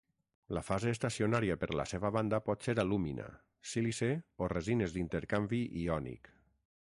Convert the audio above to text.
La fase estacionària per la seva banda pot ser alúmina, sílice o resines d'intercanvi iònic.